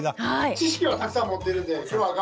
知識はたくさん持ってるんで今日は頑張ります。